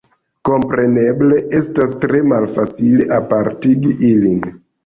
Kompreneble estas tre malfacile apartigi ilin.